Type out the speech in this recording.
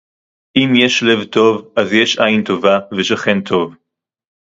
אם יש לב טוב אז יש עין טובה ושכן טוב